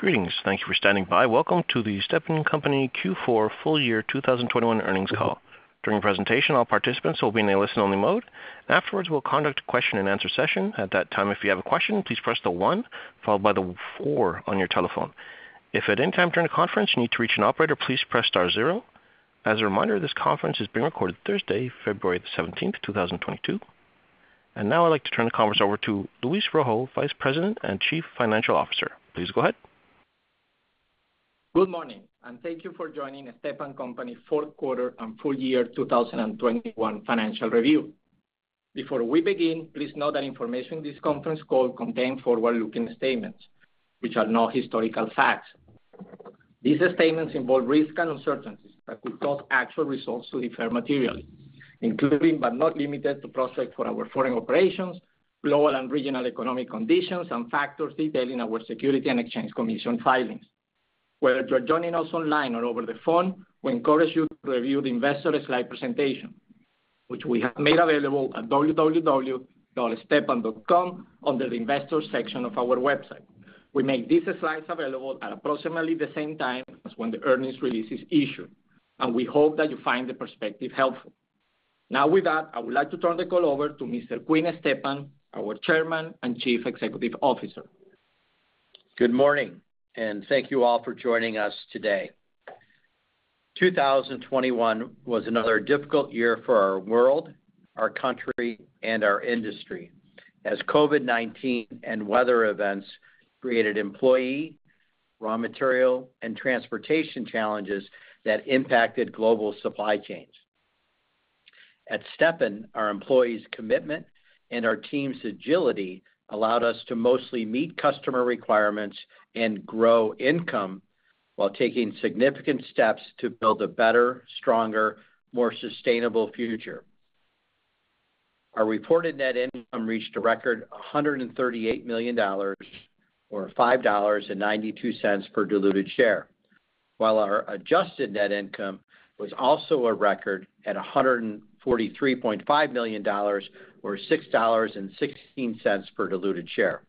Greetings. Thank you for standing by. Welcome to the Stepan Company Q4 full year 2021 Earnings Call. During the presentation, all participants will be in a listen-only mode. Afterwards, we'll conduct a question-and-answer session. At that time, if you have a question, please press the one followed by the four on your telephone. If at any time during the conference, you need to reach an operator, please press star zero. As a reminder, this conference is being recorded Thursday, February 17, 2022. Now I'd like to turn the conference over to Luis Rojo, Vice President and Chief Financial Officer. Please go ahead. Good morning, and thank you for joining Stepan Company Q4 and Full Year 2021 Financial Review. Before we begin, please note that information in this conference call contains forward-looking statements which are not historical facts. These statements involve risks and uncertainties that could cause actual results to differ materially, including but not limited to prospects for our foreign operations, global and regional economic conditions, and factors detailed in our Securities and Exchange Commission filings. Whether you're joining us online or over the phone, we encourage you to review the investor slide presentation, which we have made available at www.stepan.com under the Investors section of our website. We make these slides available at approximately the same time as when the earnings release is issued, and we hope that you find the perspective helpful. Now, with that, I would like to turn the call over to Mr. Quinn Stepan, our Chairman and Chief Executive Officer. Good morning, and thank you all for joining us today. 2021 was another difficult year for our world, our country, and our industry as COVID-19 and weather events created employee, raw material, and transportation challenges that impacted global supply chains. At Stepan, our employees' commitment and our team's agility allowed us to mostly meet customer requirements and grow income while taking significant steps to build a better, stronger, more sustainable future. Our reported net income reached a record $138 million or $5.92 per diluted share, while our adjusted net income was also a record at $143.5 million or $6.16 per diluted share.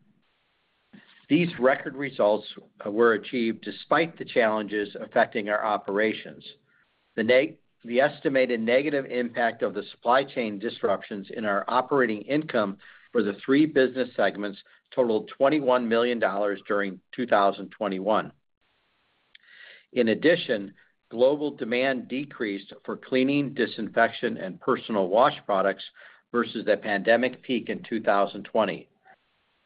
These record results were achieved despite the challenges affecting our operations. The estimated negative impact of the supply chain disruptions in our operating income for the three business segments totaled $21 million during 2021. In addition, global demand decreased for cleaning, disinfection, and personal wash products versus the pandemic peak in 2020.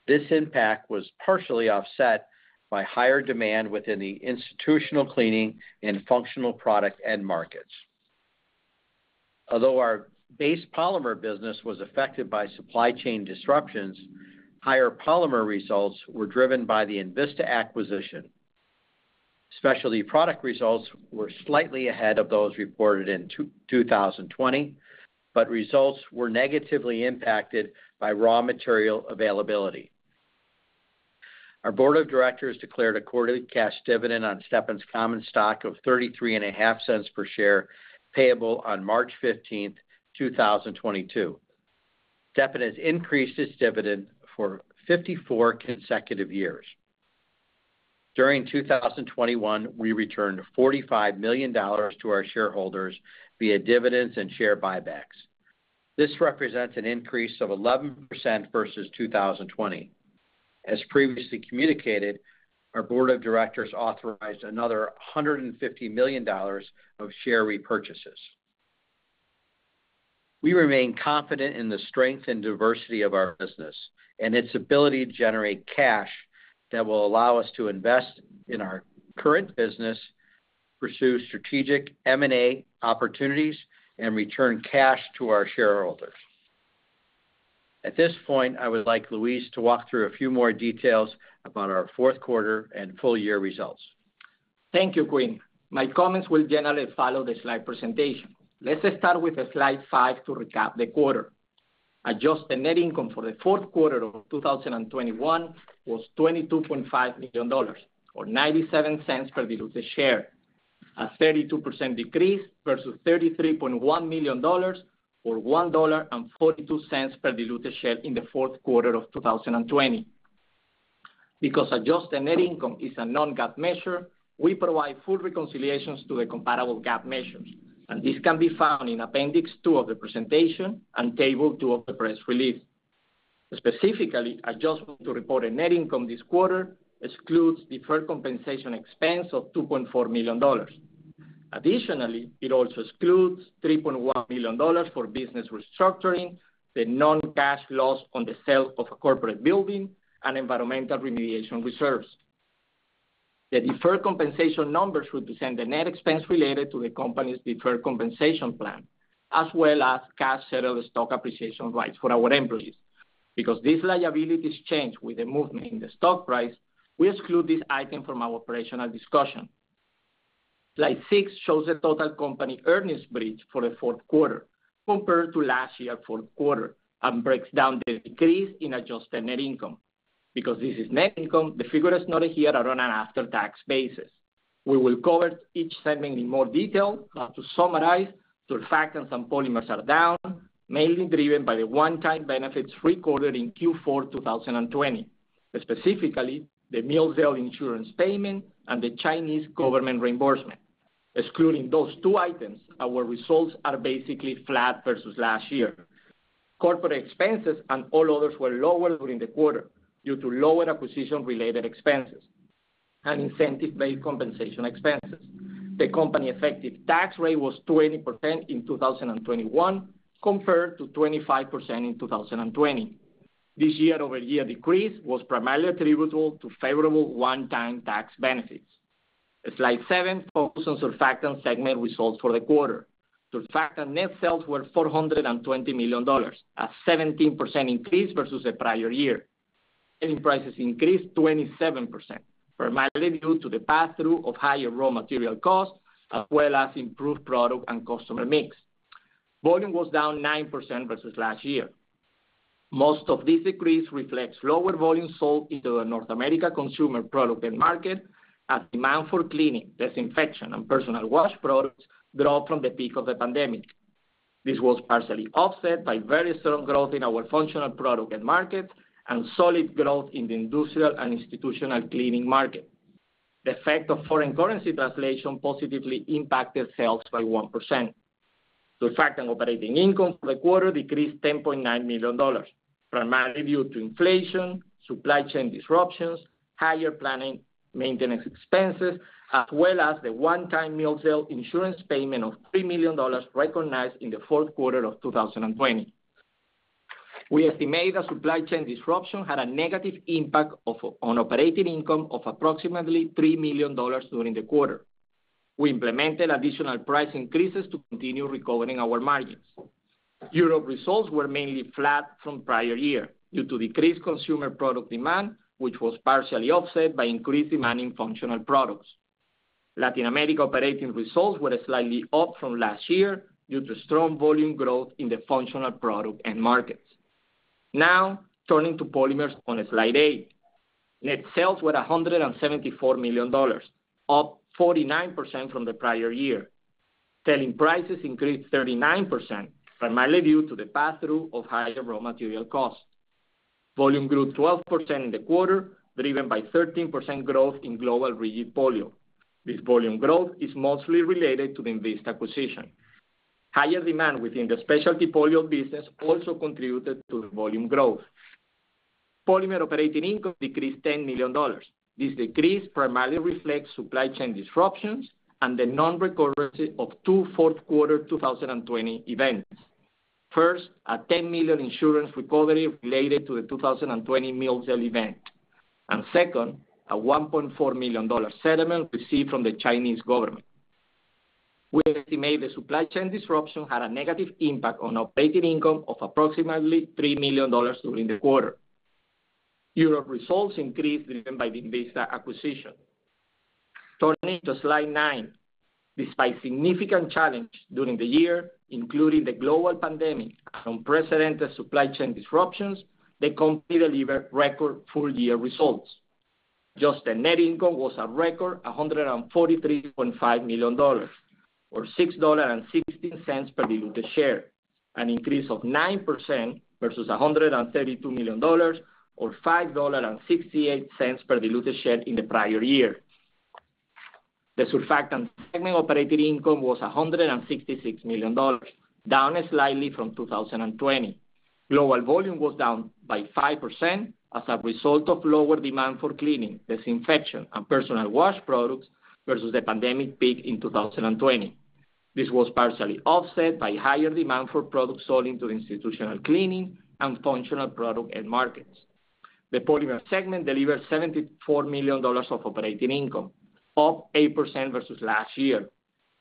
This impact was partially offset by higher demand within the institutional cleaning and functional product end markets. Although our base Polymers business was affected by supply chain disruptions, higher Polymers results were driven by the INVISTA acquisition. Specialty Products results were slightly ahead of those reported in 2020, but results were negatively impacted by raw material availability. Our board of directors declared a quarterly cash dividend on Stepan's common stock of $0.335 per share, payable on March 15th, 2022. Stepan has increased its dividend for 54 consecutive years. During 2021, we returned $45 million to our shareholders via dividends and share buybacks. This represents an increase of 11% versus 2020. As previously communicated, our board of directors authorized another $150 million of share repurchases. We remain confident in the strength and diversity of our business and its ability to generate cash that will allow us to invest in our current business, pursue strategic M&A opportunities, and return cash to our shareholders. At this point, I would like Luis to walk through a few more details about our Q4 and full-year results. Thank you, Quinn. My comments will generally follow the slide presentation. Let's start with slide five to recap the quarter. Adjusted net income for the Q4 of 2021 was $22.5 million or $0.97 per diluted share, a 32% decrease versus $33.1 million or $1.42 per diluted share in the Q4 of 2020. Because adjusted net income is a non-GAAP measure, we provide full reconciliations to the comparable GAAP measures, and this can be found in Appendix 2 of the presentation and Table two of the press release. Specifically, adjustments to reported net income this quarter excludes deferred compensation expense of $2.4 million. Additionally, it also excludes $3.1 million for business restructuring, the non-cash loss on the sale of a corporate building and environmental remediation reserves. The deferred compensation numbers represent the net expense related to the company's deferred compensation plan, as well as cash settled stock appreciation rights for our employees. Because these liabilities change with the movement in the stock price, we exclude this item from our operational discussion. Slide 6 shows the total company earnings bridge for the Q4 compared to last year Q4 and breaks down the decrease in adjusted net income. Because this is net income, the figures noted here are on an after-tax basis. We will cover each segment in more detail. To summarize, Surfactants and Polymers are down, mainly driven by the one-time benefits recorded in Q4 2020, specifically the Millsdale insurance payment and the Chinese government reimbursement. Excluding those two items, our results are basically flat versus last year. Corporate expenses and all others were lower during the quarter due to lower acquisition-related expenses and incentive-based compensation expenses. The company effective tax rate was 20% in 2021, compared to 25% in 2020. This year-over-year decrease was primarily attributable to favorable one-time tax benefits. Slide 7 focuses on Surfactant segment results for the quarter. Surfactant net sales were $420 million, a 17% increase versus the prior year. Selling prices increased 27%, primarily due to the passthrough of higher raw material costs, as well as improved product and customer mix. Volume was down 9% versus last year. Most of this decrease reflects lower volume sold into the North America consumer product end market as demand for cleaning, disinfection, and personal wash products dropped from the peak of the pandemic. This was partially offset by very strong growth in our functional product end market and solid growth in the industrial and institutional cleaning market. The effect of foreign currency translation positively impacted sales by 1%. Surfactant operating income for the quarter decreased $10.9 million, primarily due to inflation, supply chain disruptions, higher planned maintenance expenses, as well as the one-time Millsdale insurance payment of $3 million recognized in the Q4 of 2020. We estimate the supply chain disruption had a negative impact on operating income of approximately $3 million during the quarter. We implemented additional price increases to continue recovering our margins. Europe results were mainly flat from prior year due to decreased consumer product demand, which was partially offset by increased demand in functional products. Latin America operating results were slightly up from last year due to strong volume growth in the functional product end markets. Now turning to Polymers on slide 8. Net sales were $174 million, up 49% from the prior year. Selling prices increased 39%, primarily due to the pass-through of higher raw material costs. Volume grew 12% in the quarter, driven by 13% growth in global Rigid Polyols. This volume growth is mostly related to the INVISTA acquisition. Higher demand within the Specialty Polyols business also contributed to the volume growth. Polymers operating income decreased $10 million. This decrease primarily reflects supply chain disruptions and the non-recovery of two Q4 2020 events. First, a $10 million insurance recovery related to the 2020 Millsdale event. Second, a $1.4 million settlement received from the Chinese government. We estimate the supply chain disruption had a negative impact on operating income of approximately $3 million during the quarter. Europe results increased, driven by the INVISTA acquisition. Turning to slide 9. Despite significant challenge during the year, including the global pandemic, unprecedented supply chain disruptions, the company delivered record full-year results. Adjusted net income was a record $143.5 million, or $6.16 per diluted share, an increase of 9% versus $132 million or $5.68 per diluted share in the prior year. The Surfactant segment operating income was $166 million, down slightly from 2020. Global volume was down by 5% as a result of lower demand for cleaning, disinfection, and personal wash products versus the pandemic peak in 2020. This was partially offset by higher demand for products sold into institutional cleaning and functional product end markets. The Polymers segment delivered $74 million of operating income, up 8% versus last year.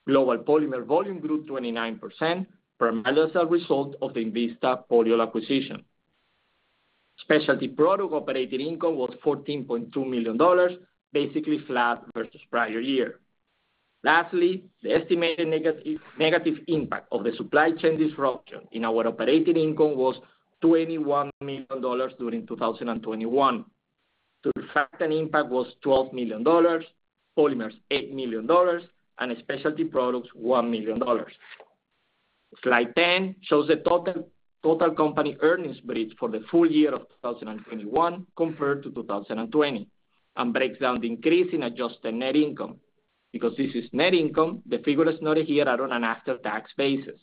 Global Polymers volume grew 29%, primarily as a result of the INVISTA polyol acquisition. Specialty Products operating income was $14.2 million, basically flat versus prior year. Lastly, the estimated negative impact of the supply chain disruption in our operating income was $21 million during 2021. Surfactant impact was $12 million, Polymers $8 million, and Specialty Products $1 million. Slide 10 shows the total company earnings bridge for the full year of 2021 compared to 2020, and breaks down the increase in adjusted net income. Because this is net income, the figures noted here are on an after-tax basis.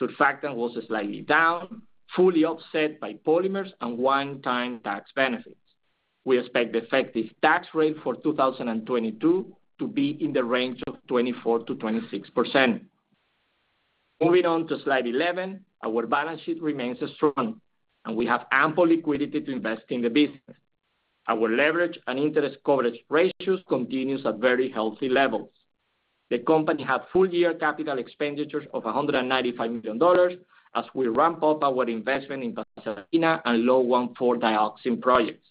Surfactants was slightly down, fully offset by Polymers and one-time tax benefits. We expect the effective tax rate for 2022 to be in the range of 24%-26%. Moving on to slide 11. Our balance sheet remains strong, and we have ample liquidity to invest in the business. Our leverage and interest coverage ratios continues at very healthy levels. The company had full year capital expenditures of $195 million as we ramp up our investment in Pasadena and low 1,4-dioxane projects.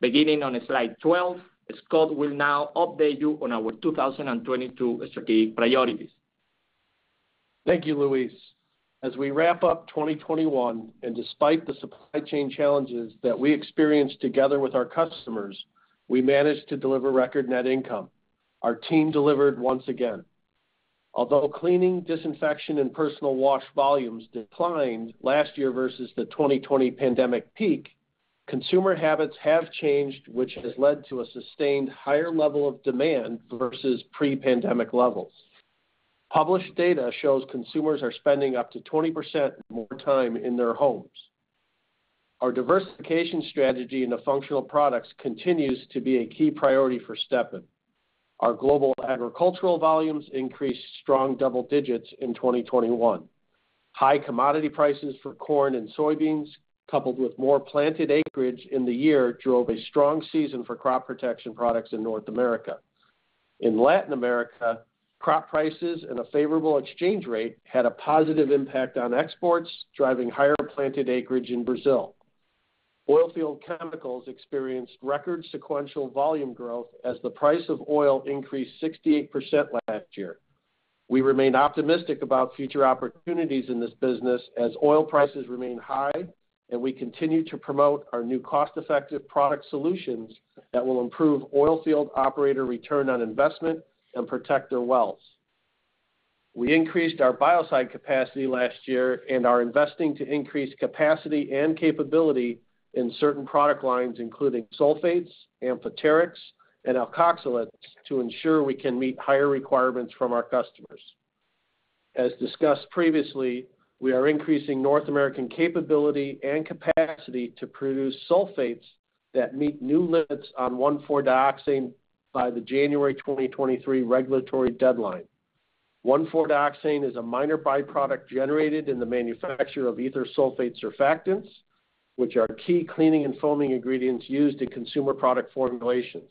Beginning on slide 12, Scott will now update you on our 2022 strategic priorities. Thank you, Luis. As we wrap up 2021, and despite the supply chain challenges that we experienced together with our customers, we managed to deliver record net income. Our team delivered once again. Although cleaning, disinfection, and personal wash volumes declined last year versus the 2020 pandemic peak, consumer habits have changed, which has led to a sustained higher level of demand versus pre-pandemic levels. Published data shows consumers are spending up to 20% more time in their homes. Our diversification strategy in the functional products continues to be a key priority for Stepan. Our global agricultural volumes increased strong double digits in 2021. High commodity prices for corn and soybeans, coupled with more planted acreage in the year, drove a strong season for crop protection products in North America. In Latin America, crop prices and a favorable exchange rate had a positive impact on exports, driving higher planted acreage in Brazil. Oilfield chemicals experienced record sequential volume growth as the price of oil increased 68% last year. We remain optimistic about future opportunities in this business as oil prices remain high, and we continue to promote our new cost-effective product solutions that will improve oilfield operator return on investment and protect their wells. We increased our biocide capacity last year and are investing to increase capacity and capability in certain product lines, including sulfates, amphoterics, and alkoxylates, to ensure we can meet higher requirements from our customers. As discussed previously, we are increasing North American capability and capacity to produce sulfates that meet new limits on 1,4-dioxane by the January 2023 regulatory deadline. 1,4-dioxane is a minor byproduct generated in the manufacture of ether sulfate surfactants, which are key cleaning and foaming ingredients used in consumer product formulations.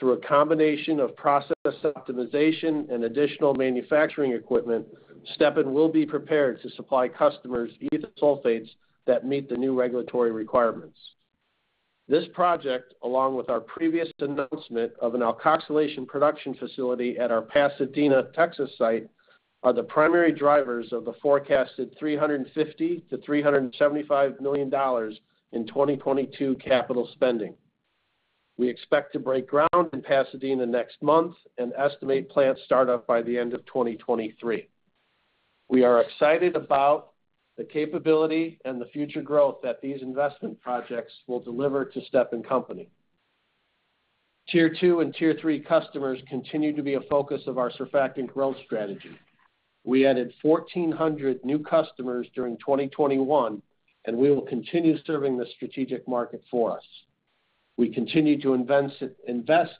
Through a combination of process optimization and additional manufacturing equipment, Stepan will be prepared to supply customers ether sulfates that meet the new regulatory requirements. This project, along with our previous announcement of an alkoxylation production facility at our Pasadena, Texas site, are the primary drivers of the forecasted $350 million-$375 million in 2022 capital spending. We expect to break ground in Pasadena next month and estimate plant start up by the end of 2023. We are excited about the capability and the future growth that these investment projects will deliver to Stepan Company. Tier 2 and Tier 3 customers continue to be a focus of our surfactant growth strategy. We added 1,400 new customers during 2021, and we will continue serving this strategic market for us. We continue to invest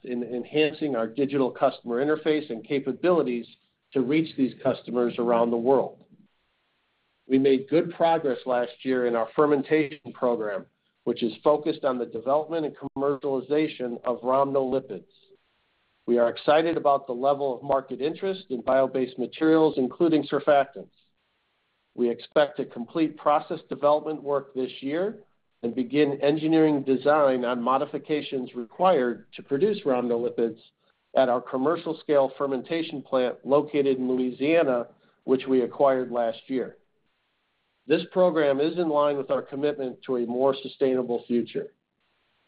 in enhancing our digital customer interface and capabilities to reach these customers around the world. We made good progress last year in our fermentation program, which is focused on the development and commercialization of rhamnolipids. We are excited about the level of market interest in bio-based materials, including surfactants. We expect to complete process development work this year and begin engineering design on modifications required to produce rhamnolipids at our commercial scale fermentation plant located in Louisiana, which we acquired last year. This program is in line with our commitment to a more sustainable future.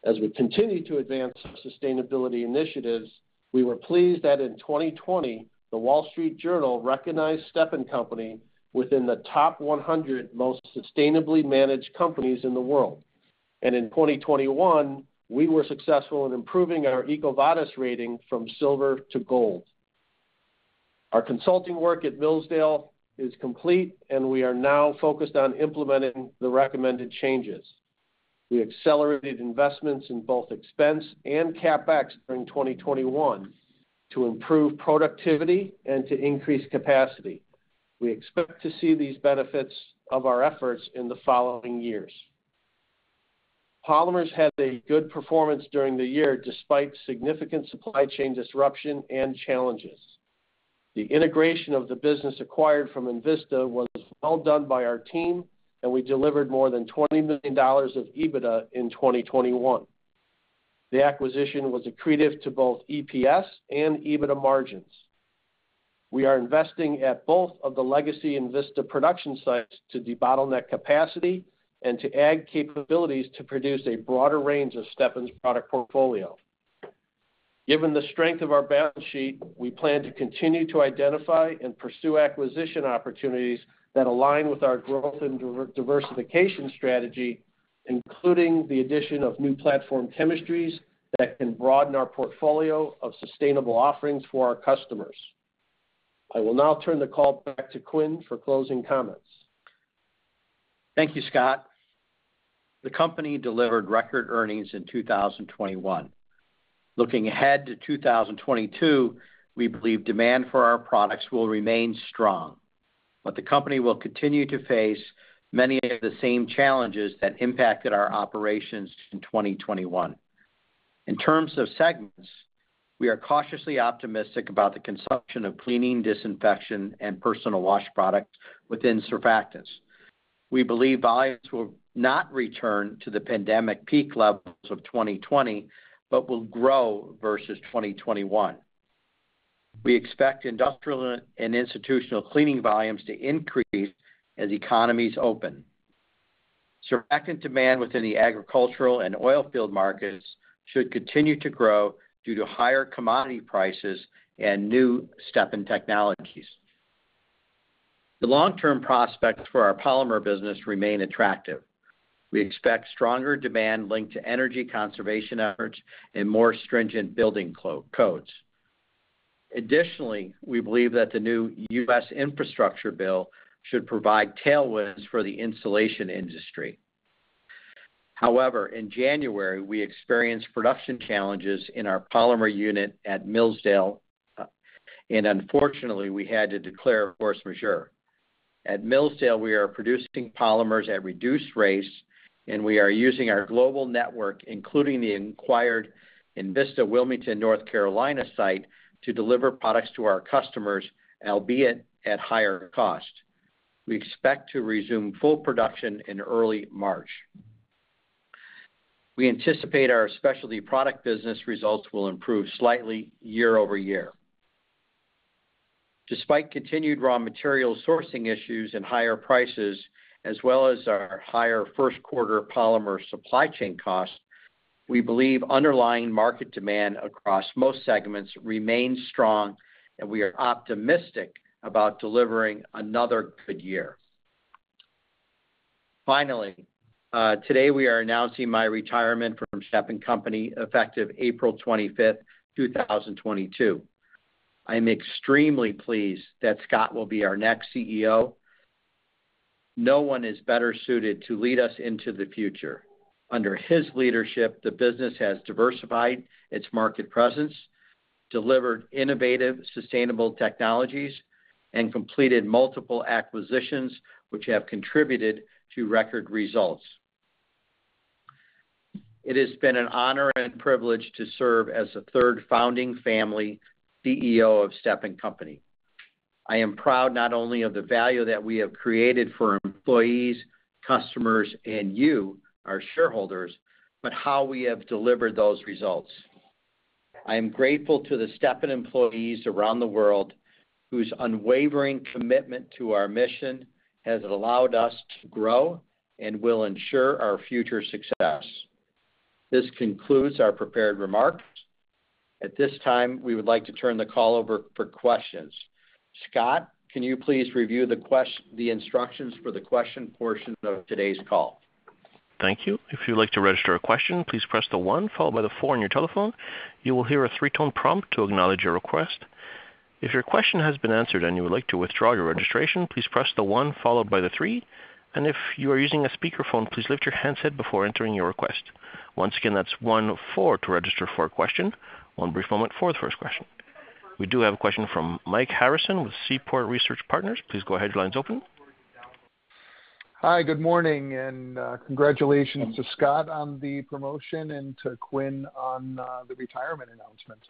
As we continue to advance sustainability initiatives, we were pleased that in 2020, The Wall Street Journal recognized Stepan Company within the top 100 most sustainably managed companies in the world. In 2021, we were successful in improving our EcoVadis rating from silver to gold. Our consulting work at Millsdale is complete, and we are now focused on implementing the recommended changes. We accelerated investments in both expense and CapEx during 2021 to improve productivity and to increase capacity. We expect to see these benefits of our efforts in the following years. Polymers had a good performance during the year, despite significant supply chain disruption and challenges. The integration of the business acquired from INVISTA was well done by our team, and we delivered more than $20 million of EBITDA in 2021. The acquisition was accretive to both EPS and EBITDA margins. We are investing at both of the legacy Invista production sites to debottleneck capacity and to add capabilities to produce a broader range of Stepan's product portfolio. Given the strength of our balance sheet, we plan to continue to identify and pursue acquisition opportunities that align with our growth and diversification strategy, including the addition of new platform chemistries that can broaden our portfolio of sustainable offerings for our customers. I will now turn the call back to Quinn for closing comments. Thank you, Scott. The company delivered record earnings in 2021. Looking ahead to 2022, we believe demand for our products will remain strong, but the company will continue to face many of the same challenges that impacted our operations in 2021. In terms of segments, we are cautiously optimistic about the consumption of cleaning, disinfection, and personal wash products within Surfactants. We believe volumes will not return to the pandemic peak levels of 2020, but will grow versus 2021. We expect industrial and institutional cleaning volumes to increase as economies open. Surfactants demand within the agricultural and oil field markets should continue to grow due to higher commodity prices and new Stepan technologies. The long-term prospects for our Polymers business remain attractive. We expect stronger demand linked to energy conservation efforts and more stringent building codes. Additionally, we believe that the new U.S. infrastructure bill should provide tailwinds for the insulation industry. However, in January, we experienced production challenges in our Polymers unit at Millsdale, and unfortunately, we had to declare force majeure. At Millsdale, we are producing polymers at reduced rates, and we are using our global network, including the acquired INVISTA Wilmington, North Carolina site, to deliver products to our customers, albeit at higher cost. We expect to resume full production in early March. We anticipate our Specialty Products business results will improve slightly year-over-year. Despite continued raw material sourcing issues and higher prices, as well as our higher Q1 Polymers supply chain costs, we believe underlying market demand across most segments remains strong, and we are optimistic about delivering another good year. Finally, today we are announcing my retirement from Stepan Company effective April 25, 2022. I'm extremely pleased that Scott will be our next CEO. No one is better suited to lead us into the future. Under his leadership, the business has diversified its market presence, delivered innovative, sustainable technologies, and completed multiple acquisitions which have contributed to record results. It has been an honor and privilege to serve as the third founding family CEO of Stepan Company. I am proud not only of the value that we have created for employees, customers, and you, our shareholders, but how we have delivered those results. I am grateful to the Stepan employees around the world, whose unwavering commitment to our mission has allowed us to grow and will ensure our future success. This concludes our prepared remarks. At this time, we would like to turn the call over for questions. Scott, can you please review the instructions for the question portion of today's call? Thank you. One brief moment for the first question. We do have a question from Mike Harrison with Seaport Research Partners. Please go ahead. Your line is open. Hi, good morning, congratulations to Scott on the promotion and to Quinn on the retirement announcement.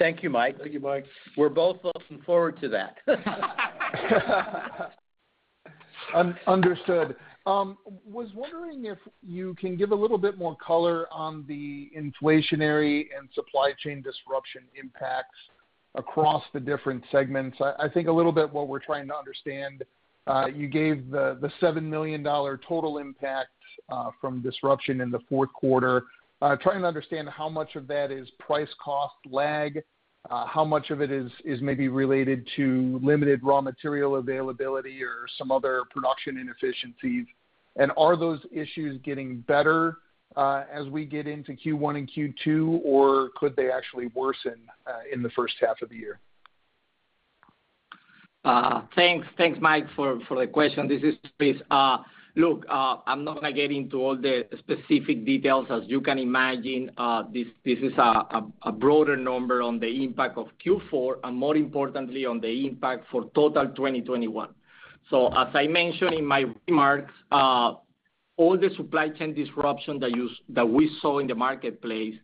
Thank you, Mike. Thank you, Mike. We're both looking forward to that. Understood. Was wondering if you can give a little bit more color on the inflationary and supply chain disruption impacts across the different segments. I think a little bit what we're trying to understand, you gave the $7 million total impact from disruption in the Q4. Trying to understand how much of that is price cost lag, how much of it is maybe related to limited raw material availability or some other production inefficiencies, and are those issues getting better as we get into Q1 and Q2, or could they actually worsen in the first half of the year? Thanks, Mike, for the question. This is Luis. Look, I'm not gonna get into all the specific details. As you can imagine, this is a broader number on the impact of Q4, and more importantly, on the impact for total 2021. As I mentioned in my remarks, all the supply chain disruption that we saw in the marketplace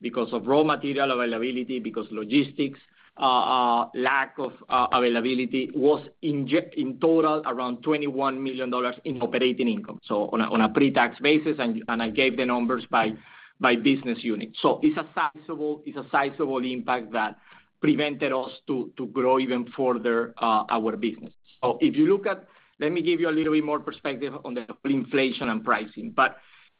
because of raw material availability, because logistics, lack of availability, was an impact in total around $21 million in operating income, so on a pre-tax basis, and I gave the numbers by business unit. It's a sizable impact that prevented us to grow even further our business. If you look at. Let me give you a little bit more perspective on the inflation and pricing.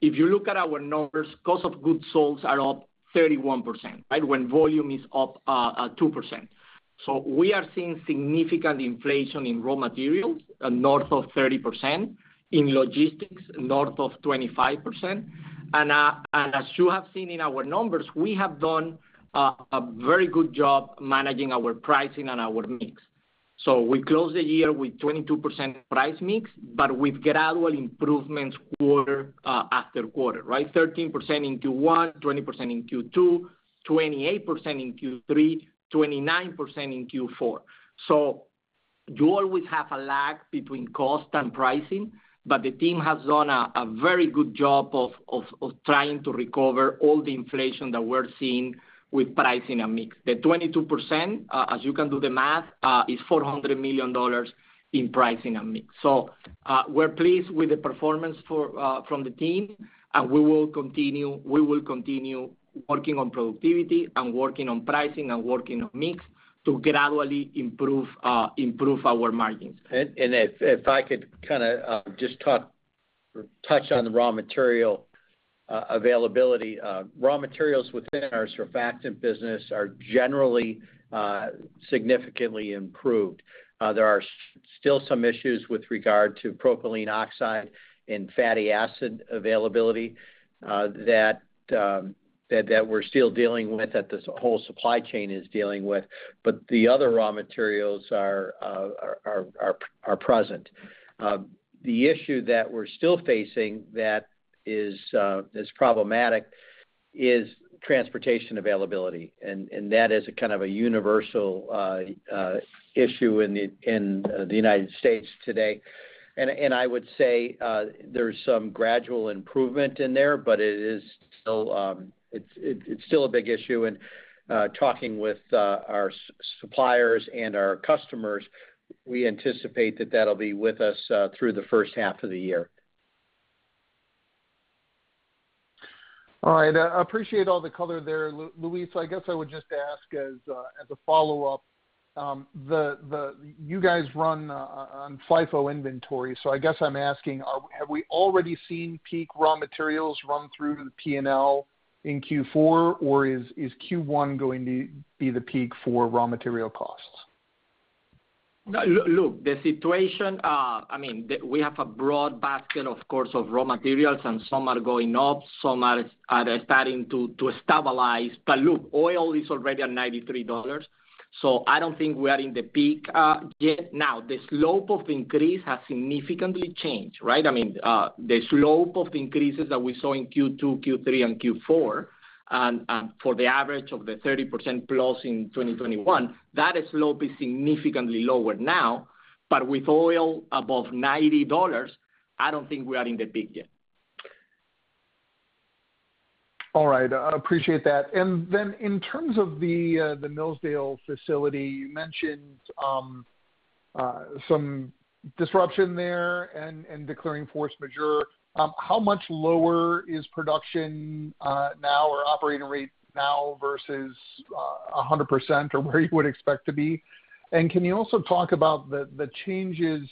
If you look at our numbers, cost of goods sold are up 31%, right? When volume is up 2%. We are seeing significant inflation in raw materials north of 30%, in logistics, north of 25%. As you have seen in our numbers, we have done a very good job managing our pricing and our mix. We closed the year with 22% price mix, but with gradual improvements quarter after quarter, right? 13% in Q1, 20% in Q2, 28% in Q3, 29% in Q4. You always have a lag between cost and pricing, but the team has done a very good job of trying to recover all the inflation that we're seeing with pricing and mix. The 22%, as you can do the math, is $400 million in pricing and mix. We're pleased with the performance from the team, and we will continue working on productivity and working on pricing and working on mix to gradually improve our margins. If I could kind of just talk or touch on the raw material availability. Raw materials within our surfactant business are generally significantly improved. There are still some issues with regard to propylene oxide and fatty acid availability that we're still dealing with, that this whole supply chain is dealing with, but the other raw materials are present. The issue that we're still facing that is problematic is transportation availability, and that is a kind of a universal issue in the United States today. I would say there's some gradual improvement in there, but it is still a big issue. Talking with our suppliers and our customers, we anticipate that that'll be with us through the first half of the year. All right. Appreciate all the color there, Luis. I guess I would just ask as a follow-up, you guys run on FIFO inventory, so I guess I'm asking, have we already seen peak raw materials run through to the P&L in Q4, or is Q1 going to be the peak for raw material costs? No. Look, the situation, I mean, we have a broad basket, of course, of raw materials, and some are going up, some are starting to stabilize. Look, oil is already at $93, so I don't think we are in the peak yet. Now, the slope of increase has significantly changed, right? I mean, the slope of increases that we saw in Q2, Q3, and Q4, and for the average of 30%+ in 2021, that slope is significantly lower now. With oil above $90, I don't think we are in the peak yet. All right. I appreciate that. In terms of the Millsdale facility, you mentioned some disruption there and declaring force majeure. How much lower is production now or operating rate now versus 100% or where you would expect to be? Can you also talk about the changes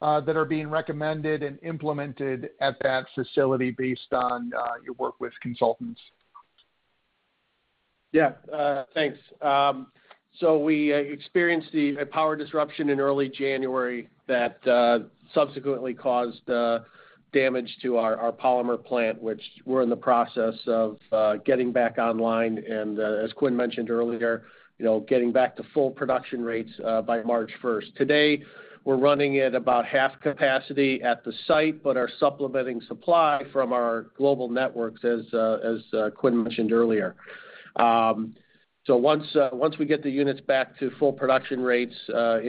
that are being recommended and implemented at that facility based on your work with consultants? Thanks. We experienced the power disruption in early January that subsequently caused damage to our polymer plant, which we're in the process of getting back online, and, as Quinn mentioned earlier, you know, getting back to full production rates by March first. Today, we're running at about half capacity at the site, but are supplementing supply from our global networks as Quinn mentioned earlier. Once we get the units back to full production rates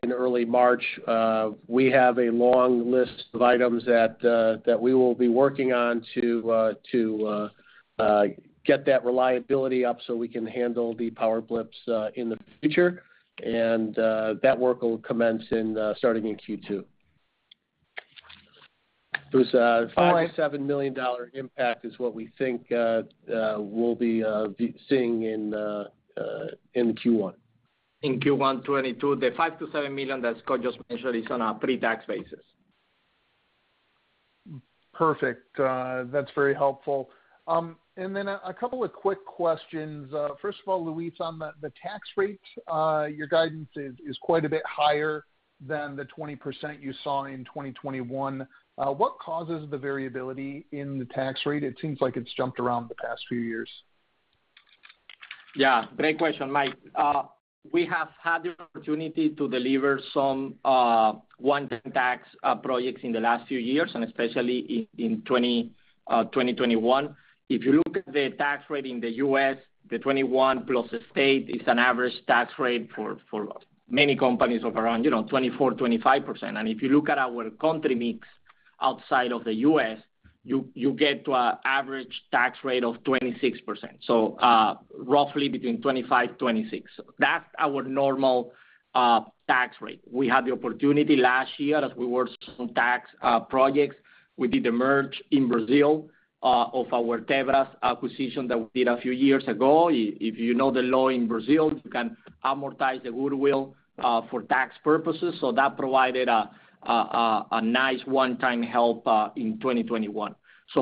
in early March, we have a long list of items that we will be working on to get that reliability up, so we can handle the power blips in the future. That work will commence starting in Q2. There's a $5 million-$7 million impact is what we think we'll be seeing in Q1. In Q1 2022, the $5 million-$7 million that Scott just mentioned is on a pre-tax basis. Perfect. That's very helpful. A couple of quick questions. First of all, Luis, on the tax rate, your guidance is quite a bit higher than the 20% you saw in 2021. What causes the variability in the tax rate? It seems like it's jumped around the past few years. Yeah. Great question, Mike. We have had the opportunity to deliver some one-time tax projects in the last few years, and especially in 2021. If you look at the tax rate in the U.S., the 21% plus the state is an average tax rate for many companies of around, you know, 24%-25%. If you look at our country mix outside of the U.S., you get to an average tax rate of 26%. Roughly between 25%-26%. That's our normal tax rate. We had the opportunity last year as we were doing some tax projects. We did the merger in Brazil of our Tebras acquisition that we did a few years ago. If you know the law in Brazil, you can amortize the goodwill for tax purposes. That provided a nice one-time help in 2021.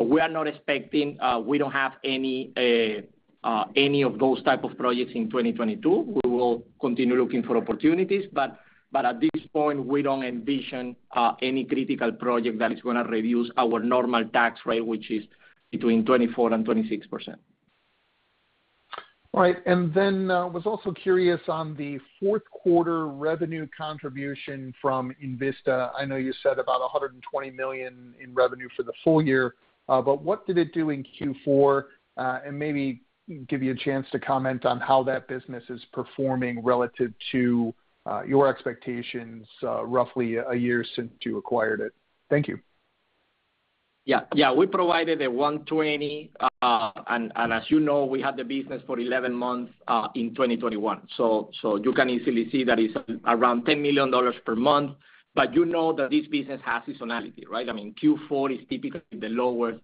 We are not expecting. We don't have any of those type of projects in 2022. We will continue looking for opportunities, but at this point, we don't envision any critical project that is gonna reduce our normal tax rate, which is between 24% and 26%. All right. I was also curious on the Q4 revenue contribution from INVISTA. I know you said about $120 million in revenue for the full year. But what did it do in Q4? And maybe give you a chance to comment on how that business is performing relative to your expectations, roughly a year since you acquired it. Thank you. Yeah. We provided a $120 million, and as you know, we had the business for 11 months in 2021. You can easily see that it's around $10 million per month. You know that this business has seasonality, right? I mean, Q4 is typically the lowest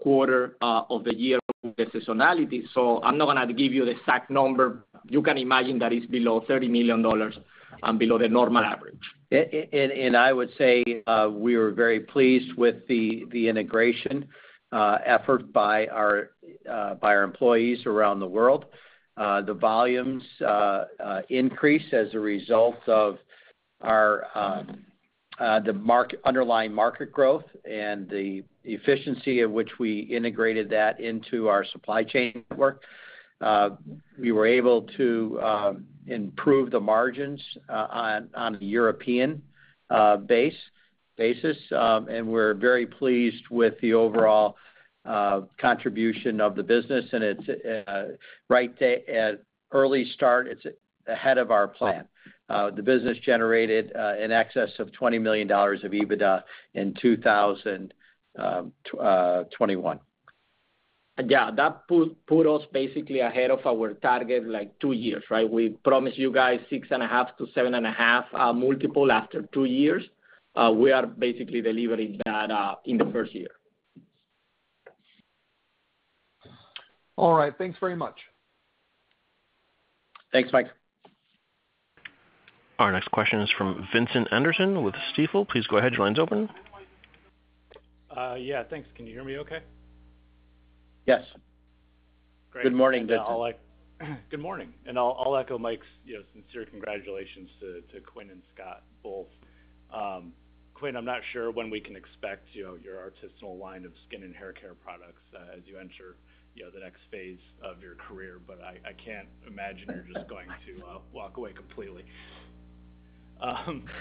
quarter of the year with the seasonality. I'm not gonna give you the exact number. You can imagine that it's below $30 million and below the normal average. I would say we are very pleased with the integration effort by our employees around the world. The volumes increased as a result of our underlying market growth and the efficiency at which we integrated that into our supply chain network. We were able to improve the margins on the European basis. We're very pleased with the overall contribution of the business, and it's right at early start. It's ahead of our plan. The business generated in excess of $20 million of EBITDA in 2021. Yeah, that put us basically ahead of our target, like two years, right? We promised you guys 6.5-7.5 multiple after two years. We are basically delivering that in the first year. All right, thanks very much. Thanks, Mike. Our next question is from Vincent Anderson with Stifel. Please go ahead. Your line's open. Yeah, thanks. Can you hear me okay? Yes. Great. Good morning, Vincent. Good morning, and I'll echo Mike's, you know, sincere congratulations to Quinn and Scott both. Quinn, I'm not sure when we can expect, you know, your artisanal line of skin and hair care products, as you enter, you know, the next phase of your career, but I can't imagine you're just going to walk away completely.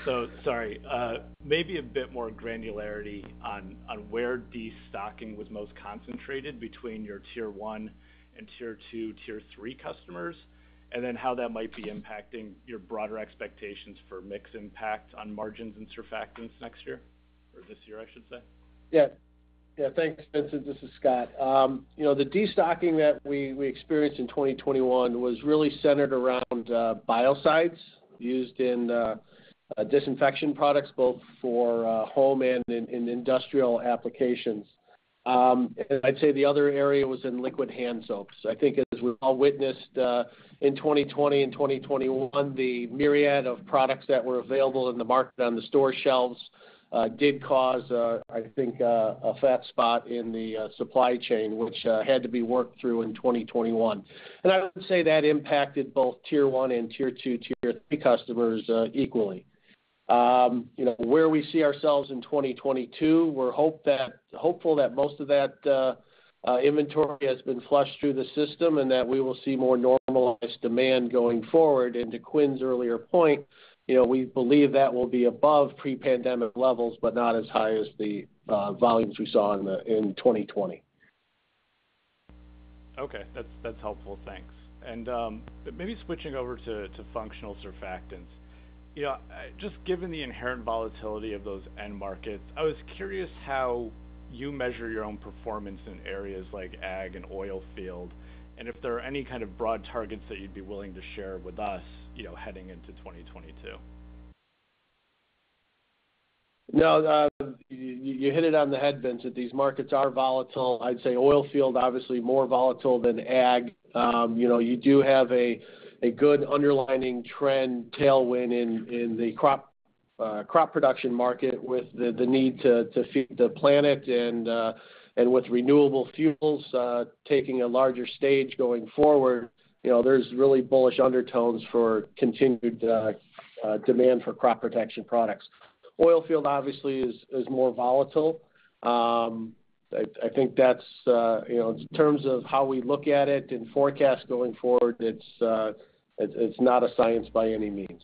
So sorry. Maybe a bit more granularity on where destocking was most concentrated between your tier one and tier two, tier three customers, and then how that might be impacting your broader expectations for mix impact on margins and surfactants next year, or this year, I should say. Thanks, Vincent. This is Scott. The destocking that we experienced in 2021 was really centered around biocides used in disinfection products, both for home and in industrial applications. I'd say the other area was in liquid hand soaps. I think as we've all witnessed in 2020 and 2021, the myriad of products that were available in the market on the store shelves did cause I think a flat spot in the supply chain, which had to be worked through in 2021. I would say that impacted both tier one and tier two, tier three customers equally. You know, where we see ourselves in 2022, we're hopeful that most of that inventory has been flushed through the system, and that we will see more normalized demand going forward. To Quinn's earlier point, you know, we believe that will be above pre-pandemic levels, but not as high as the volumes we saw in 2020. Okay. That's helpful. Thanks. Maybe switching over to functional surfactants. You know, just given the inherent volatility of those end markets, I was curious how you measure your own performance in areas like ag and oil field, and if there are any kind of broad targets that you'd be willing to share with us, you know, heading into 2022. No, you hit it on the head, Vincent. These markets are volatile. I'd say oil field, obviously more volatile than ag. You know, you do have a good underlying trend tailwind in the crop production market with the need to feed the planet and with renewable fuels taking a larger stage going forward. You know, there's really bullish undertones for continued demand for crop protection products. Oil field obviously is more volatile. I think that's, you know, in terms of how we look at it and forecast going forward, it's not a science by any means.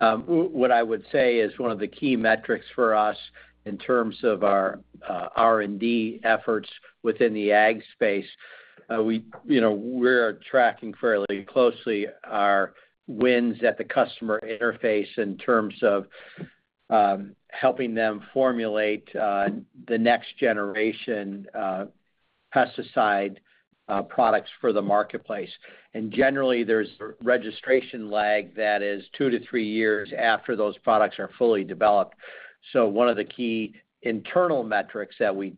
What I would say is one of the key metrics for us in terms of our R&D efforts within the ag space. We, you know, are tracking fairly closely our wins at the customer interface in terms of helping them formulate the next generation pesticide products for the marketplace. Generally, there's a registration lag that is 2-3 years after those products are fully developed. One of the key internal metrics that we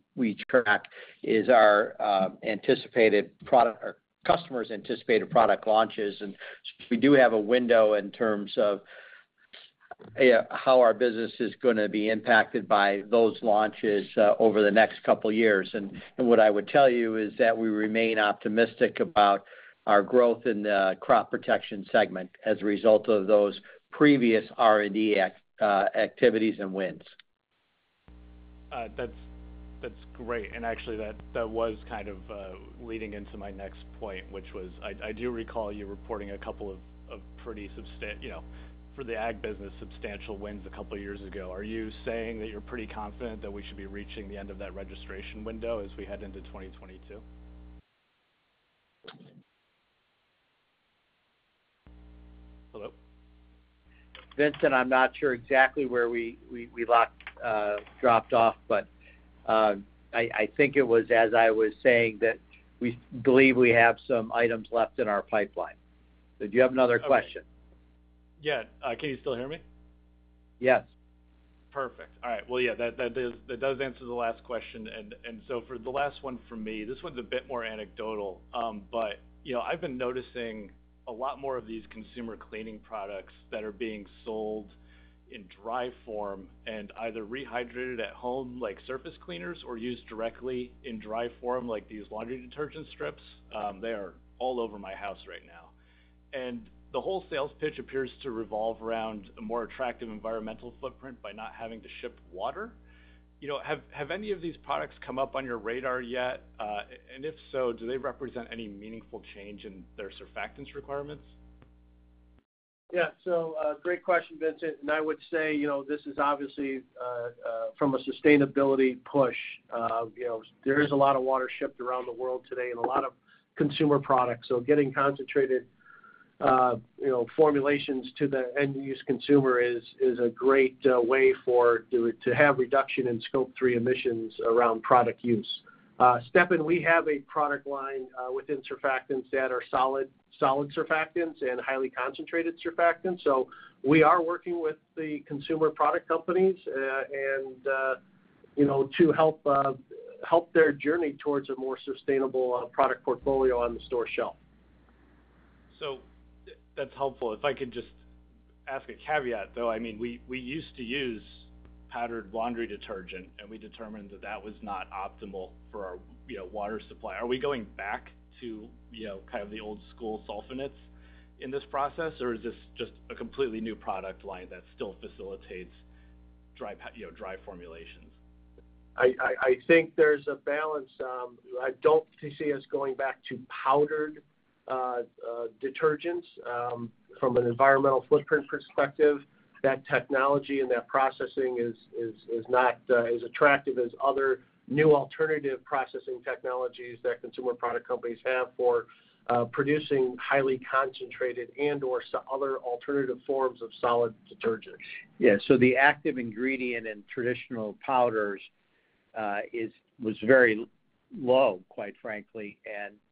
track is our anticipated product or customers' anticipated product launches. We do have a window in terms of how our business is gonna be impacted by those launches over the next couple of years. What I would tell you is that we remain optimistic about our growth in the crop protection segment as a result of those previous R&D activities and wins. That's great. Actually, that was kind of leading into my next point, which was I do recall you reporting a couple of pretty substantial wins, you know, for the ag business a couple of years ago. Are you saying that you're pretty confident that we should be reaching the end of that registration window as we head into 2022? Hello? Vincent, I'm not sure exactly where we dropped off, but I think it was as I was saying that we believe we have some items left in our pipeline. Do you have another question? Yeah. Can you still hear me? Yes. Perfect. All right. Well, yeah, that does answer the last question and so for the last one from me, this one's a bit more anecdotal. But, you know, I've been noticing a lot more of these consumer cleaning products that are being sold in dry form and either rehydrated at home like surface cleaners or used directly in dry form like these laundry detergent strips. They are all over my house right now. The whole sales pitch appears to revolve around a more attractive environmental footprint by not having to ship water. You know, have any of these products come up on your radar yet? And if so, do they represent any meaningful change in their surfactants requirements? Yeah. Great question, Vincent, and I would say, you know, this is obviously from a sustainability push. You know, there is a lot of water shipped around the world today in a lot of consumer products, so getting concentrated, you know, formulations to the end use consumer is a great way to have reduction in Scope 3 emissions around product use. Stepan, we have a product line within Surfactants that are solid surfactants and highly concentrated surfactants. We are working with the consumer product companies, and, you know, to help their journey towards a more sustainable product portfolio on the store shelf. That's helpful. If I could just ask a caveat, though. I mean, we used to use powdered laundry detergent, and we determined that was not optimal for our, you know, water supply. Are we going back to, you know, kind of the old school sulfonates in this process, or is this just a completely new product line that still facilitates dry formulations? I think there's a balance. I don't see us going back to powdered detergents. From an environmental footprint perspective, that technology and that processing is not as attractive as other new alternative processing technologies that consumer product companies have for producing highly concentrated and/or other alternative forms of solid detergent. Yeah. The active ingredient in traditional powders was very low, quite frankly.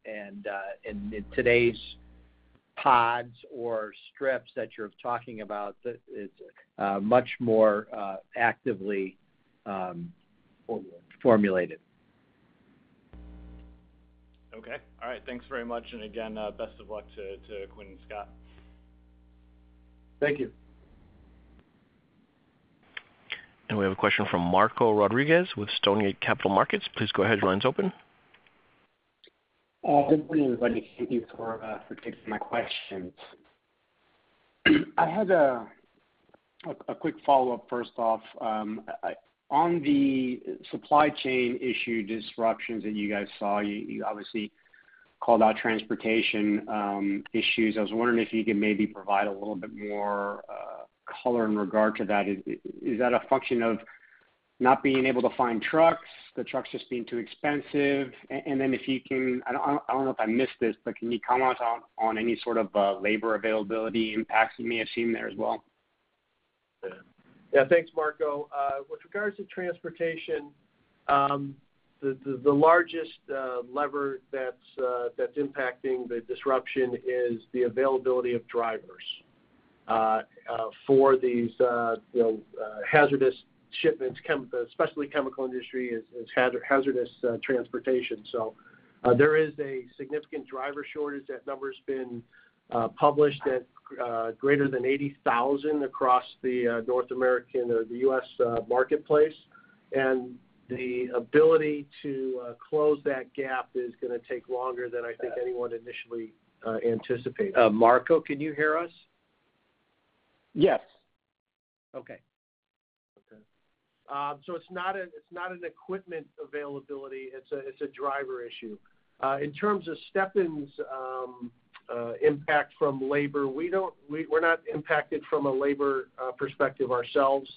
In today's pods or strips that you're talking about, it's much more actively. Formulated formulated. Okay. All right. Thanks very much, and again, best of luck to Quinn and Scott. Thank you. We have a question from Marco Rodriguez with Stonegate Capital Markets. Please go ahead. Your line's open. Good morning, everybody. Thank you for taking my questions. I had a quick follow-up first off. On the supply chain issue disruptions that you guys saw, you obviously called out transportation issues. I was wondering if you could maybe provide a little bit more color in regard to that. Is that a function of not being able to find trucks, the trucks just being too expensive? If you can, I don't know if I missed this, but can you comment on any sort of labor availability impacts you may have seen there as well? Yeah. Yeah. Thanks, Marco. With regards to transportation, the largest lever that's impacting the disruption is the availability of drivers for these, you know, hazardous shipments. Especially, the chemical industry is hazardous transportation. There is a significant driver shortage. That number's been published at greater than 80,000 across the North American or the U.S. marketplace. The ability to close that gap is gonna take longer than I think anyone initially anticipated. Marco, can you hear us? Yes. It's not an equipment availability, it's a driver issue. In terms of Stepan's impact from labor, we're not impacted from a labor perspective ourselves.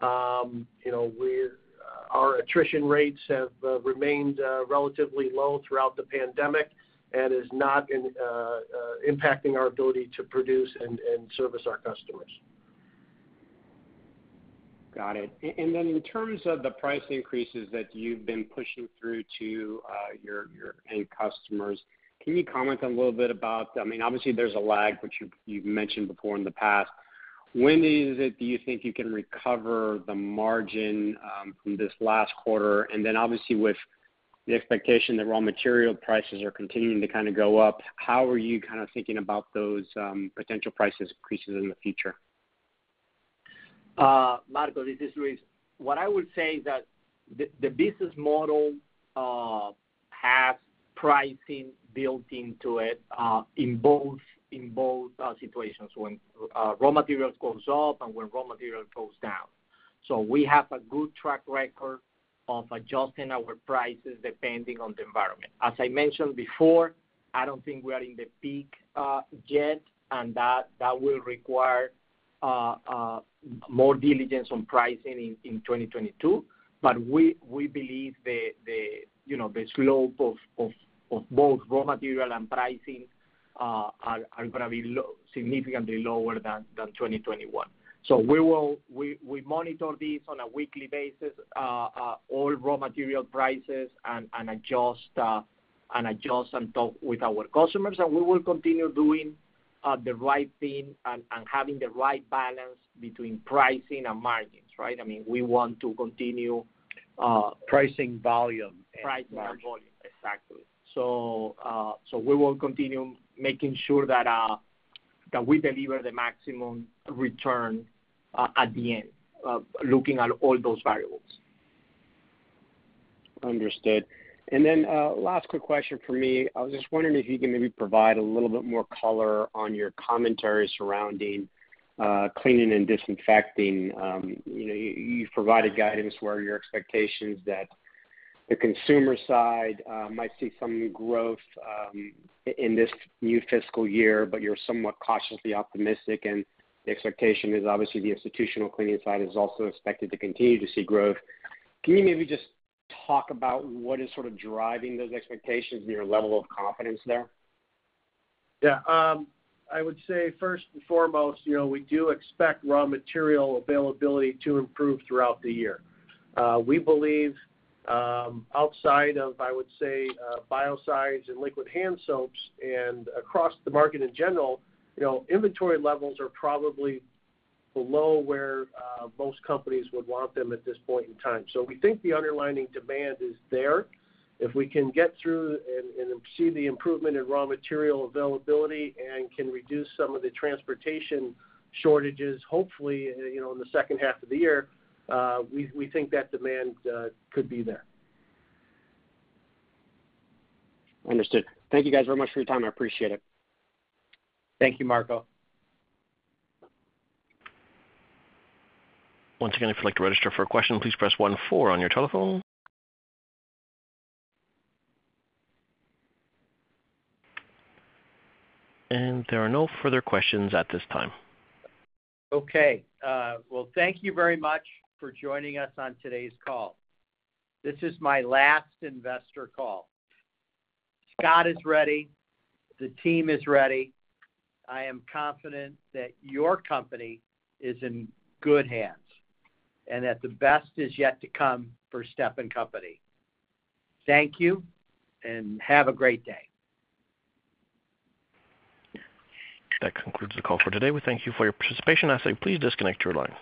You know, our attrition rates have remained relatively low throughout the pandemic and is not impacting our ability to produce and service our customers. Got it. In terms of the price increases that you've been pushing through to your end customers, can you comment a little bit about I mean, obviously there's a lag, which you've mentioned before in the past. When do you think you can recover the margin from this last quarter? Obviously with the expectation that raw material prices are continuing to kind of go up, how are you kind of thinking about those potential price increases in the future? Marco, this is Luis. What I would say that the business model has pricing built into it in both situations when raw materials goes up and when raw material goes down. We have a good track record of adjusting our prices depending on the environment. As I mentioned before, I don't think we are in the peak yet, and that will require More diligence on pricing in 2022. We believe the, you know, the slope of both raw material and pricing are gonna be significantly lower than 2021. We monitor these on a weekly basis, all raw material prices and adjust and talk with our customers. We will continue doing the right thing and having the right balance between pricing and margins, right? I mean, we want to continue. Pricing volume and margins. Pricing and volume. Exactly. We will continue making sure that we deliver the maximum return at the end, looking at all those variables. Understood. Last quick question for me. I was just wondering if you can maybe provide a little bit more color on your commentary surrounding cleaning and disinfecting. You know, you provided guidance where your expectations that the consumer side might see some growth in this new fiscal year, but you're somewhat cautiously optimistic, and the expectation is obviously the institutional cleaning side is also expected to continue to see growth. Can you maybe just talk about what is sort of driving those expectations and your level of confidence there? Yeah. I would say first and foremost, you know, we do expect raw material availability to improve throughout the year. We believe, outside of, I would say, biocides and liquid hand soaps and across the market in general, you know, inventory levels are probably below where, most companies would want them at this point in time. We think the underlying demand is there. If we can get through and see the improvement in raw material availability and can reduce some of the transportation shortages, hopefully, you know, in the second half of the year, we think that demand could be there. Understood. Thank you guys very much for your time. I appreciate it. Thank you, Marco. Once again, if you'd like to register for a question, please press one, four on your telephone. There are no further questions at this time. Okay. Well, thank you very much for joining us on today's call. This is my last investor call. Scott is ready. The team is ready. I am confident that your company is in good hands, and that the best is yet to come for Stepan Company. Thank you, and have a great day. That concludes the call for today. We thank you for your participation. I ask that you please disconnect your line.